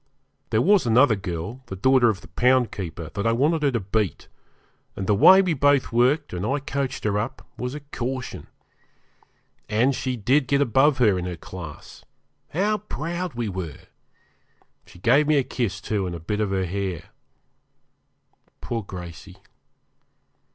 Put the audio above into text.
There was another girl, the daughter of the poundkeeper, that I wanted her to beat; and the way we both worked, and I coached her up, was a caution. And she did get above her in her class. How proud we were! She gave me a kiss, too, and a bit of her hair. Poor Gracey!